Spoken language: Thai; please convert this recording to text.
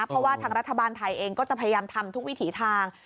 เพราะว่าทางรัฐบาลไทยเองก็จะพยายามทำทุกวิถีทาง